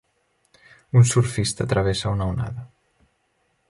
Un surfista travessa una onada.